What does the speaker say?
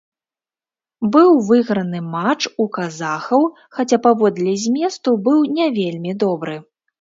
Быў выйграны матч у казахаў, хаця паводле зместу быў не вельмі добры.